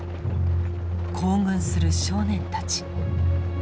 行軍する少年たち。